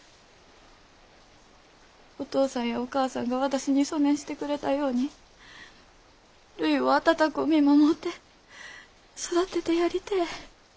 お父さんやお母さんが私にそねんしてくれたようにるいを温こう見守って育ててやりてえ。